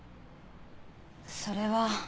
それは。